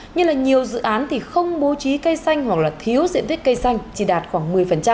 như là nhiều dự án thì không bố trí cây xanh hoặc là thiếu diện tích cây xanh chỉ đạt khoảng một mươi